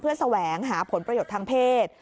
แสวงหาผลประโยชน์ทางเพศ